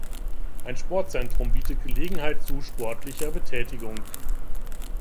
Ein Sportzentrum bietet Gelegenheit zu sportlicher Betätigung.